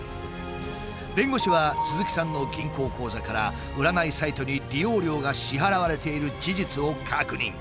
弁護士は鈴木さんの銀行口座から占いサイトに利用料が支払われている事実を確認。